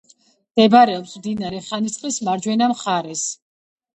მდებარეობს მდინარე ხანისწყლის მარჯვენა მხარეს.